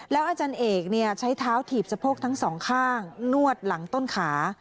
อาจารย์เอกใช้เท้าถีบสะโพกทั้งสองข้างนวดหลังต้นขา